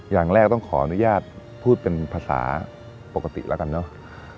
อย่างแรกต้องขออนุญาตพูดเป็นภาษาปกติแล้วกันเนอะ